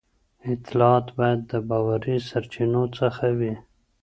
اطلاعات باید د باوري سرچینو څخه وي.